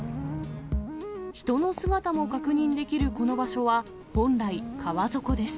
人の姿も確認できるこの場所は、本来、川底です。